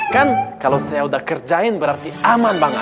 kan kalau saya udah kerjain berarti aman banget